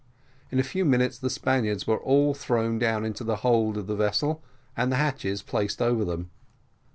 In a few minutes, the Spaniards were all thrown down into the hold of the vessel, and the hatches placed over them.